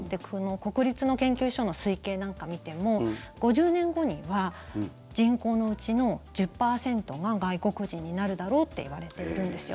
国立の研究所の推計なんか見ても５０年後には人口のうちの１０％が外国人になるだろうっていわれてるんですよ。